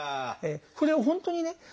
これは本当にね